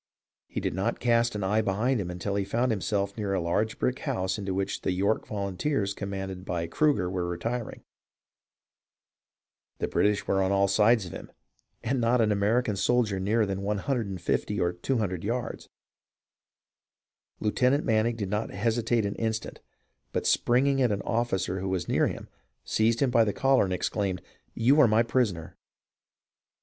He did not cast an eye behind him until he found himself near a large brick house into which the York volunteers com manded by Cruger were retiring. The British were on all sides of him and not an American soldier nearer than 150 or 200 yards. Lieutenant Manning did not hesitate an instant, but springing at an officer who was near him seized him by the collar and exclaimed, " You are my prisoner